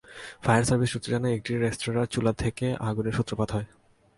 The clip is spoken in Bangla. ফায়ার সার্ভিস সূত্র জানায়, একটি রেস্তোরাঁর চুলা থেকে আগুনের সূত্রপাত হয়।